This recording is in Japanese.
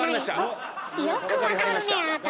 よくわかるねえあなた。